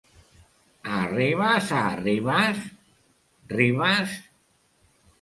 Arribes a Ribes, Ribes?